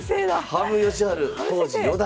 羽生善治当時四段。